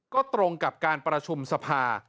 ก็ตรงกับการประชุมสภา